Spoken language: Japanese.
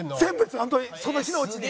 本当にその日のうちに。